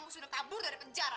sudah kabur dari penjara